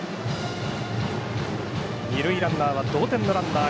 二塁ランナーは同点のランナー。